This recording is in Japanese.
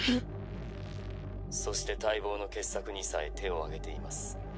そして待望の傑作にさえ手を上げています。